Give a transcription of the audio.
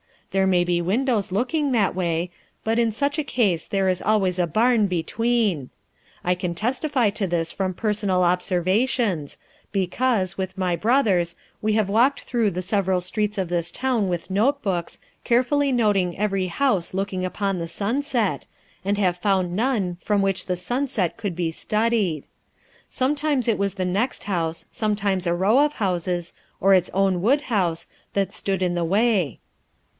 There may be windows looking that way, but in such a case there is always a barn between. I can testify to this from personal observations, because, with my brothers, we have walked through the several streets of this town with note books, carefully noting every house looking upon the sunset, and have found none from which the sunset could be studied. Sometimes it was the next house, sometimes a row of houses, or its own wood house, that stood in the way.